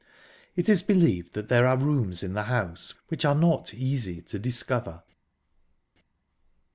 _ It is believed that there are rooms in the house which are not easy to discover."